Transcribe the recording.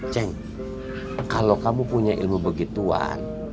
ceng kalau kamu punya ilmu begituan